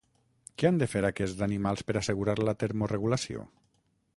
Què han de fer aquests animals per assegurar la termoregulació?